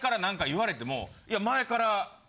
いや前から。